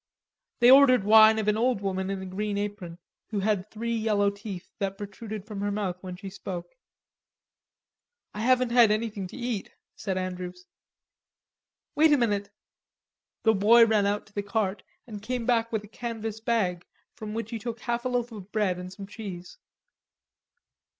They ordered wine of an old woman in a green apron, who had three yellow teeth that protruded from her mouth when she spoke. "I haven't had anything to eat," said Andrews. "Wait a minute." The boy ran out to the cart and came back with a canvas bag, from which he took half a loaf of bread and some cheese.